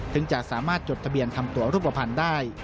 จะสามารถจดทะเบียนทำตัวรูปภัณฑ์ได้